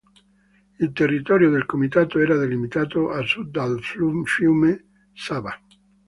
Il territorio del comitato era delimitato a sud dal fiume Sava.